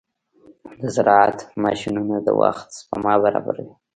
د زراعت ماشينونه د وخت سپما برابروي.